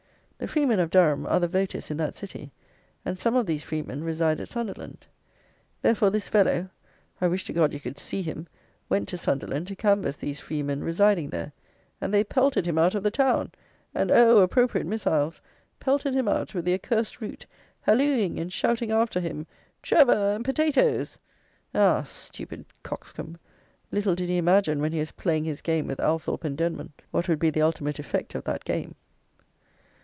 The freemen of Durham are the voters in that city, and some of these freemen reside at Sunderland. Therefore this fellow (I wish to God you could see him!) went to Sunderland to canvass these freemen residing there; and they pelted him out of the town; and (oh appropriate missiles!) pelted him out with the "accursed root," hallooing and shouting after him "Trevor and potatoes!" Ah! stupid coxcomb! little did he imagine, when he was playing his game with Althorp and Denman, what would be the ultimate effect of that game!